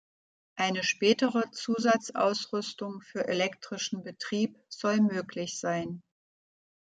Eine spätere Zusatzausrüstung für elektrischen Betrieb soll möglich sein.